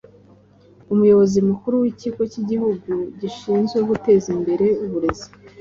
Umuyobozi mukuru w’ikigo cy’igihugu gishinzwe guteza imbere uburezi